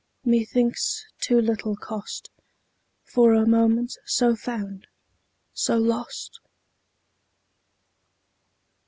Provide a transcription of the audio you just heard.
_20 5. ......... Methinks too little cost For a moment so found, so lost!